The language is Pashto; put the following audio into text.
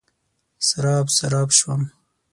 سراب، سراب شوم